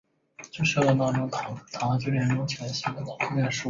曾与坂田银时和桂小太郎于吉田松阳的私塾度过少年时代。